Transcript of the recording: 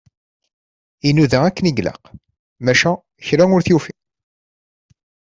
Inuda akken i ilaq, maca kra ur t-yufi.